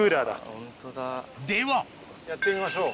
ではやってみましょう。